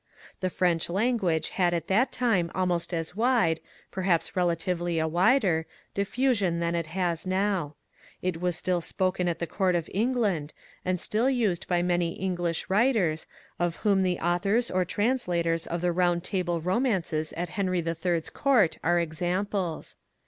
The French language had at that time almost as wide, perhaps relatively a wider, diffusion than it has now. It was still spoken at the Court of England, and still used by many English writers, of whom the authors or translators of the Round Table EMPLOYMENT OF THE FRENCH LANGUAGE 87 Romances at Henry III.'s Court are examples.